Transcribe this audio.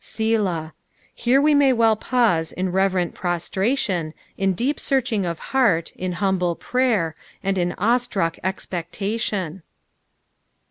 "8»lah." Here we ma; well pause in reverent prostra* tion, in deep searching of heart, in humble prayer, and in awe struck expectation.